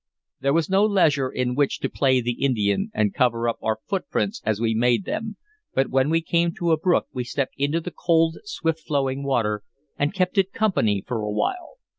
There was no leisure in which to play the Indian and cover up our footprints as we made them, but when we came to a brook we stepped into the cold, swift flowing water, and kept it company for a while.